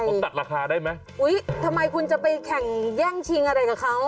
ผมตัดราคาได้ไหมอุ้ยทำไมคุณจะไปแข่งแย่งชิงอะไรกับเขา